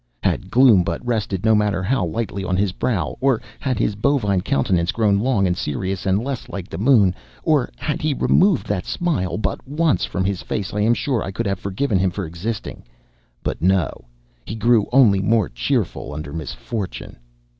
Had gloom but rested, no matter how lightly, on his brow, or had his bovine countenance grown long and serious and less like the moon, or had he removed that smile but once from off his face, I am sure I could have forgiven him for existing. But no, he grew only more cheerful under misfortune.